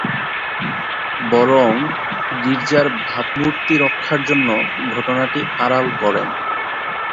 বরং গির্জার ভাবমূর্তি রক্ষার জন্য ঘটনাটি আড়াল করেন।